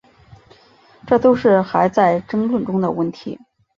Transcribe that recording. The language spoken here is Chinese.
这都是还在争论中的问题。